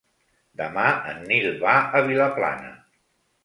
Demà en Nil va a Vilaplana.